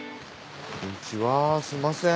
こんにちはすみません。